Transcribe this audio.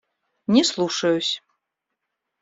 Не слушаюсь.